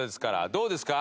どうですか？